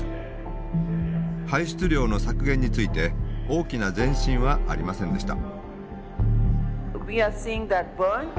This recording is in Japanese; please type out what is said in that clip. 排出量の削減について大きな前進はありませんでした。